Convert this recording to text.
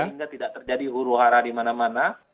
sehingga tidak terjadi huru hara dimana mana